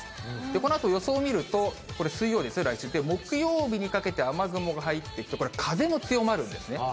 このあと予想を見ると、これ水曜ですよ、木曜日にかけて雨雲が入ってきて、これ、風も強まるんですね。